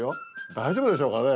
大丈夫でしょうかね。